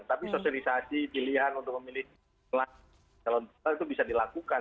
tapi sosialisasi pilihan untuk memilih calon tunggal itu bisa dilakukan